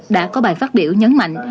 đã có bài phát biểu nhấn mạnh